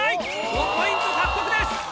５ポイント獲得です！